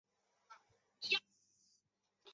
陈仲书畏罪在家中上吊。